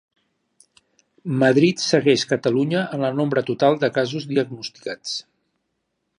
Madrid segueix Catalunya en el nombre total de casos diagnosticats.